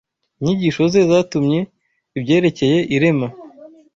Inyigisho ze zatumye ibyerekeye irema